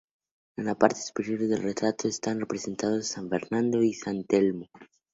En la parte superior del retablo están representados san Fernando y san Telmo.